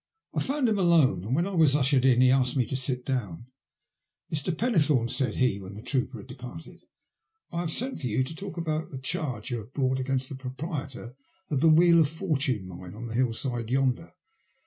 I found him alone, and when I was ushered in he asked me to sit down. Mr. Pennethome/' said he, when the trooper had departed, I have sent for you to talk to you about the charge you have brought against the proprietor of the * Wheel of Fortune ' mine on the hillside yonder.